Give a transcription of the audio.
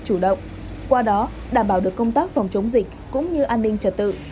chủ động qua đó đảm bảo được công tác phòng chống dịch cũng như an ninh trật tự